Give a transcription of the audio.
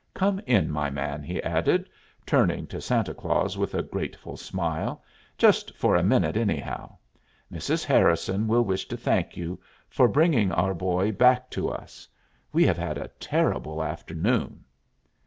Come in, my man," he added, turning to Santa Claus with a grateful smile. "Just for a minute anyhow. Mrs. Harrison will wish to thank you for bringing our boy back to us. We have had a terrible afternoon."